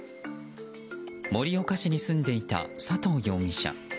盛岡市に住んでいた佐藤容疑者。